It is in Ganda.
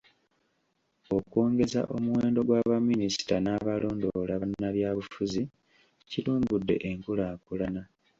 Okwongeza omuwendo gwa baminisita n’abalondoola bannabyabufuzi, kitumbudde enkulaakulana.